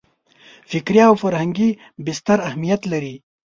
فکري او فرهنګي بستر اهمیت لري.